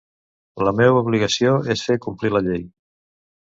La meva obligació és fer complir la llei.